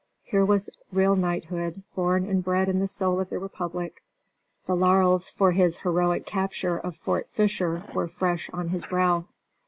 Here was real knighthood, born and bred in the soil of the republic. The laurels for his heroic capture of Fort Fisher were fresh on his brow.